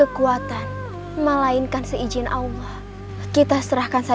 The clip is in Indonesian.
aku yang akan menghabisinya